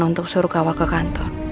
untuk suruh kawah ke kantor